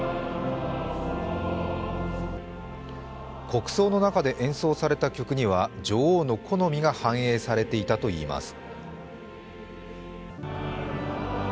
国葬の中で演奏された曲には女王の好みが反映されていたといいます。